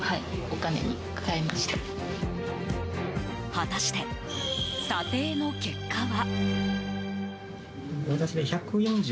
果たして、査定の結果は？